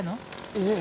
いえ。